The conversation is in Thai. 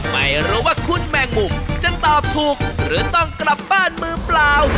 ไม่รู้ว่าคุณแมงมุมจะตอบถูกหรือต้องกลับบ้านมือเปล่า